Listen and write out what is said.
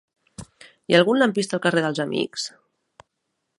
Hi ha algun lampista al carrer dels Amics?